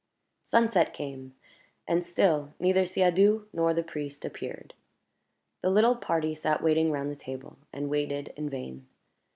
Sunset came, and still neither Siadoux nor the priest appeared. The little party sat waiting round the table, and waited in vain.